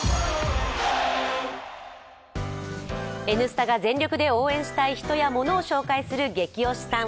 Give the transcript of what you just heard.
「Ｎスタ」が全力で応援したい人やモノを応援するゲキ推しさん。